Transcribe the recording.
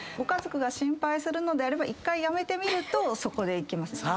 家族が心配するのであれば１回やめてみるといけます。